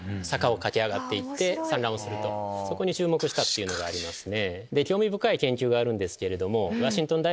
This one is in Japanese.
そこに注目したっていうのがありますね。